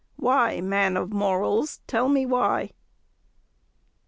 Why, man of morals, tell me why?"